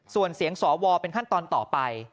ส่วนเสียงสวเป็นขั้นตอนต่อไป